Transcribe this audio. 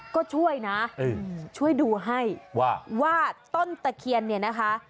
ก็ช่วยนะช่วยดูให้ว่าว่าต้นตะเคียนเนี่ยนะคะ